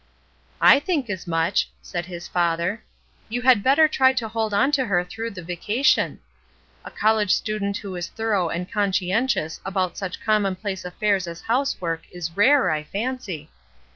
"I think as much!" said his father. "You THEORY AND PRACTICE 217 had better try to hold on to her through the vacation. A college student who is thorough and conscientious about such commonplace af fairs as housework is rare, I fancy.